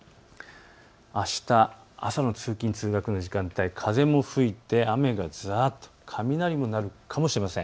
あす朝の通勤通学の時間帯、風も吹いて雨がざーっと、雷も鳴るかもしれません。